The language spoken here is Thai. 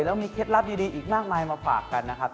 แล้วมีเคล็ดลับดีอีกมากมายมาฝากกันนะครับ